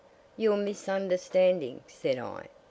"You're misunderstanding," said I.